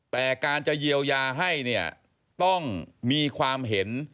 แต่การจะเยียวยาให้เนี่ยต้องมีความเห็น